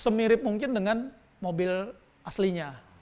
semirip mungkin dengan mobil aslinya